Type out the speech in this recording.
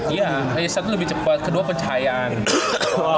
iya satu lebih cepat kedua pencahayaan